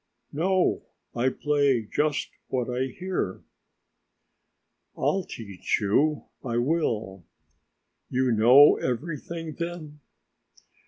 "No, I play just what I hear." "I'll teach you, I will." "You know everything, then?"